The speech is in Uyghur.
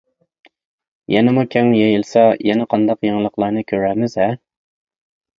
يەنىمۇ كەڭ يېيىلسا يەنە قانداق يېڭىلىقلارنى كۆرەرمىز-ھە!